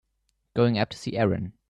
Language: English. Going up to see Erin.